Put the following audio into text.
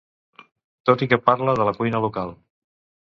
Tot i que parla de la cuina local